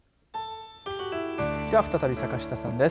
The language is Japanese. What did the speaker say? では、再び坂下さんです。